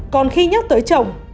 còn khi nhắc tới chồng